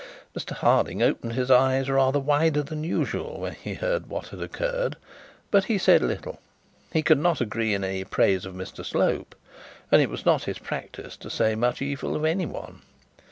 Mr Harding opened he eyes rather wider than usual when he heard what had occurred, but he said little; he could not agree in any praise of Mr Slope, and it was not his practice to say much evil of any one.